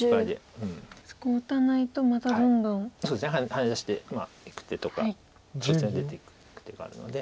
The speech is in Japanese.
ハネ出していく手とか出ていく手があるので。